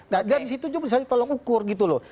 nah dari situ juga bisa ditolong ukur gitu loh